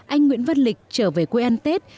anh nguyễn văn lịch trở về quê ăn tết